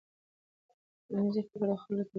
ټولنیز فکر د خلکو له تجربو نه بېلېږي.